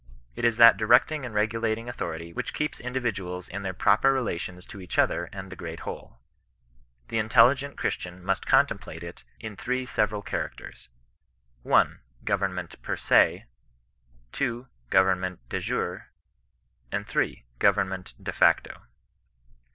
It is that directing and regulating autho rity which keeps individuals in their proper relations to each other and the great whole. The intelligent Chris tian must contemplate it in three several characters. 1. Government pe7' se; 2. GU)vemment de jure; and 3. Government de facto.